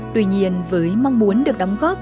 tuy nhiên với mong muốn được đóng góp